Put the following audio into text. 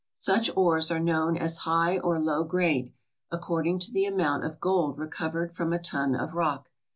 Such ores are known as high or low grade, according to the amount of gold recovered from a ton of rock.